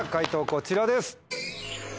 こちらです。